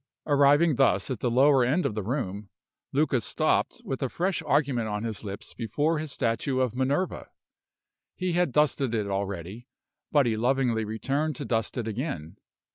Arriving thus at the lower end of the room, Luca stopped with a fresh argument on his lips before his statue of Minerva. He had dusted it already, but he lovingly returned to dust it again.